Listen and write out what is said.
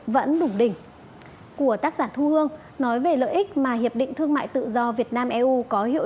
vẫn đủ đỉnh của tác giả thu hương nói về lợi ích mà hiệp định thương mại tự do việt nam eu có hiệu quả